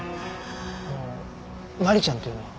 あの万里ちゃんというのは？